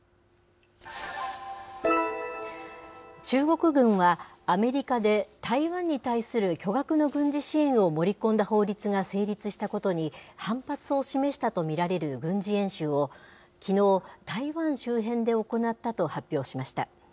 中国軍は、アメリカで台湾に対する巨額の軍事支援を盛り込んだ法律が成立したことに反発を示したと見られる軍事演習を、きのう、台湾周辺で行ったと発表しました。